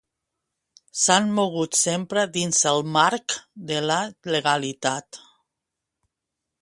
S'han mogut sempre dins el marc de la legalitat.